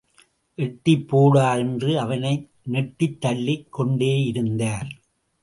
எட்டிப் போடா என்று அவனை நெட்டித் தள்ளிக் கொண்டேயிருந்தார்.